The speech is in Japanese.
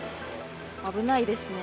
危ないですね。